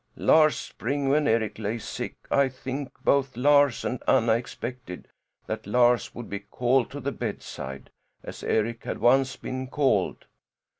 Last spring, when Eric lay sick, I think both Lars and Anna expected that Lars would be called to the bedside, as Eric had once been called.